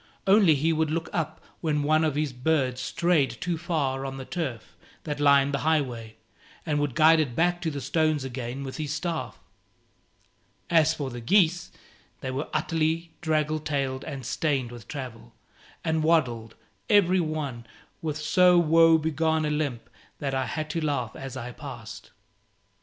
Only he would look up when one of his birds strayed too far on the turf that lined the highway, and would guide it back to the stones again with his staff. As for the geese, they were utterly draggle tailed and stained with travel, and waddled, every one, with so woe begone a limp that I had to laugh as I passed.